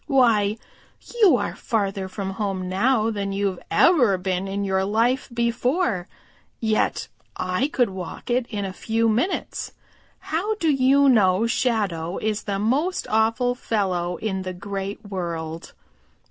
"Why, you are farther from home now than you've ever been in your life before, yet I could walk to it in a few minutes. How do you know Shadow is the most awful fellow in the Great World?"